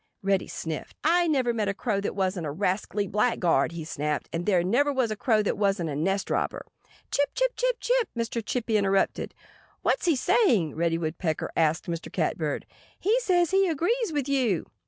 Reddy sniffed. "I never saw a Crow that wasn't a rascally blackguard," he snapped. "There never was a Crow that wasn't a nest robber." "Chip, chip, chip, chip!" Mr. Chippy interrupted. "What's he saying?" Reddy Woodpecker asked Mr. Catbird. "He says he agrees with you."